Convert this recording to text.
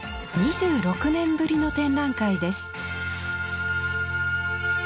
２６年ぶりの展覧会です。